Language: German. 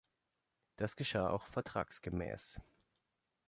Das geschah auch vertragsgemäß.